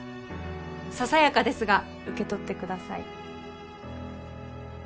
ささやかですが受け取ってください。